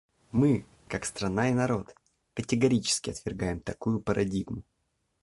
Мы, как страна и народ, категорически отвергаем такую парадигму.